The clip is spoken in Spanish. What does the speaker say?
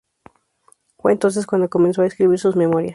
Fue entonces cuando comenzó a escribir sus memorias.